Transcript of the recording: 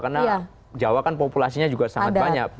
karena jawa kan populasinya juga sangat banyak